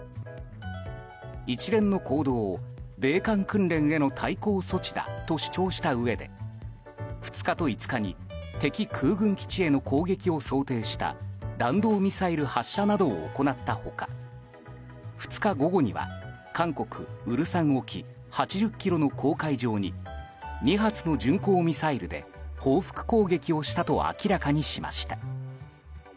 一連の行動を米韓訓練への対抗措置だと主張したうえで２日と５日に敵空軍基地への攻撃を想定した弾道ミサイル発射などを行った他２日午後には韓国ウルサン沖８０ｋｍの公海上に２発の巡航ミサイルで報復攻撃をしたと明らかにしました。